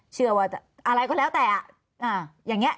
ชื่อว่าอะไรก็แล้วแต่